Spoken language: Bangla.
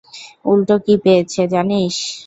উল্টো কি পেয়েছে, জানিস?